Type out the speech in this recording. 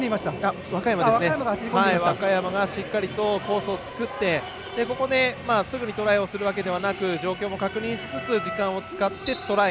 若山がしっかりとコースを作って、ここですぐにトライをするわけではなく状況も確認しつつ時間を使ってトライ。